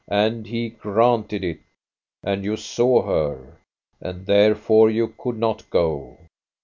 And He granted it, and you saw her, and therefore you could not go.